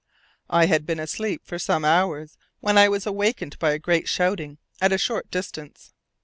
I had been asleep for some hours when I was awakened by a great shouting at a short distance.